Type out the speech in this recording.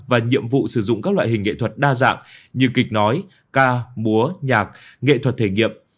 và nhiệm vụ sử dụng các loại hình nghệ thuật đa dạng như kịch nói ca múa nhạc nghệ thuật thể nghiệm